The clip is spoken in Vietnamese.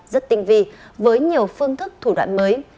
rất tinh vi với nhiều phương thức thủ đoạn mới